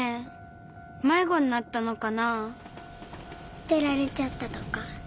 すてられちゃったとか。